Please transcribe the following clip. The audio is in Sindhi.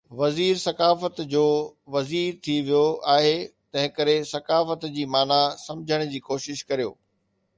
وزير ثقافت جو وزير ٿي ويو آهي، تنهنڪري ثقافت جي معنيٰ سمجهڻ جي ڪوشش ڪريو.